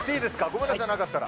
ごめんなさいなかったら。